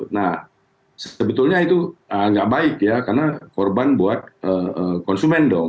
nah sebetulnya itu nggak baik ya karena korban buat konsumen dong